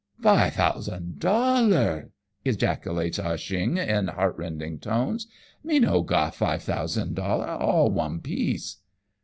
" Fi' thousand dollars !" ejaculates Ah Cheong in heart rending tones, " me no got fi' thousand dollars, all one piece."